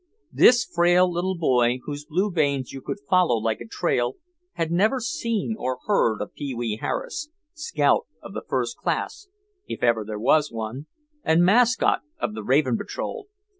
This frail little boy, whose blue veins you could follow like a trail, had never seen or heard of Pee wee Harris, scout of the first class (if ever there was one) and mascot of the Raven Patrol.